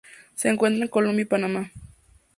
Se encuentra en Colombia y Panamá.